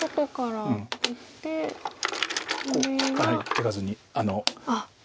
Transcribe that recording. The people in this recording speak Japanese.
手数に。